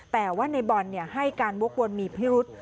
แต่ว่าในบอลให้การวกวนมีพิรุษ